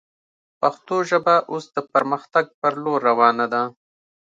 پښتو ژبه اوس د پرمختګ پر لور روانه ده